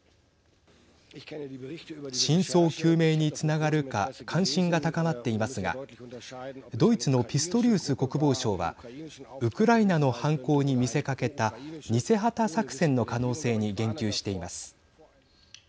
真相究明につながるか関心が高まっていますがドイツのピストリウス国防相はウクライナの犯行に見せかけた偽旗作戦の可能性に言及しています。